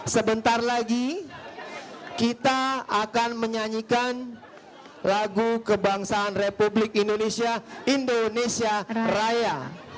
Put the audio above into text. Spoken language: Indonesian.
sebentar lagi kita akan menyanyikan lagu kebangsaan republik indonesia indonesia raya